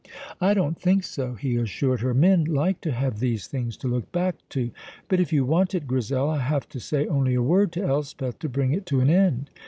"I don't think so," he assured her. "Men like to have these things to look back to. But, if you want it, Grizel, I have to say only a word to Elspeth to bring it to an end.